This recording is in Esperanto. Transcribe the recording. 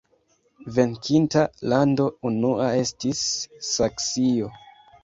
Venkinta lando unua estis Saksio.